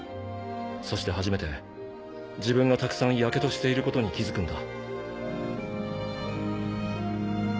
そして初めて自分がたくさんヤケドしていることに気付くんだ。